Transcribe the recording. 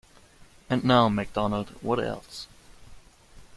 And now, Mcdonald, what else?